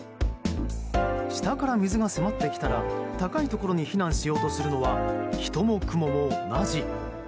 下から水が迫ってきたら高いところに避難しようとするのは人もクモも同じ。